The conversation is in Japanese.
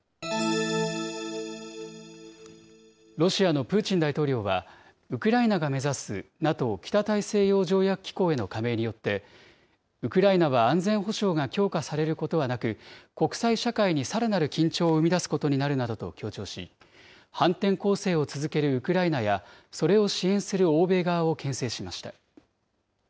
ロシアのプーチン大統領は、ウクライナが目指すＮＡＴＯ・北大西洋条約機構への加盟によって、ウクライナは安全保障が強化されることはなく、国際社会にさらなる緊張を生み出すことになるなどと強調し、反転攻勢を続けるウクライナや、それを支援する欧米側をけん制しました。